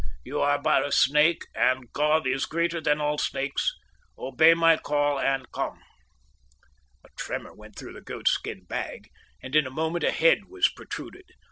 You are but a snake, and God is greater than all snakes. Obey my call and come." A tremor went through the goatskin bag, and in a moment a head was protruded.